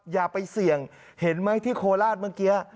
อย่าไปเสี่ยงเห็นไหมที่โคราชเมื่อกี้